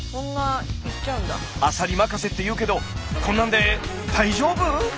「アサリまかせ」って言うけどこんなんで大丈夫？